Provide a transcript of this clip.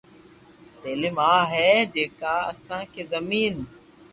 تعليم اها آهي جيڪا اسان کي زمين